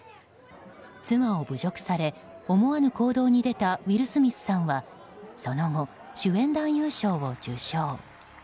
妻を侮辱され、思わぬ行動に出たウィル・スミスさんはその後、主演男優賞を受賞。